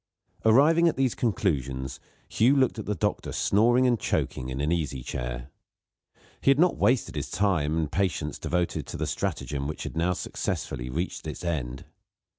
Arriving at these conclusions, Hugh looked at the doctor snoring and choking in an easy chair. He had not wasted the time and patience devoted to the stratagem which had now successfully reached its end.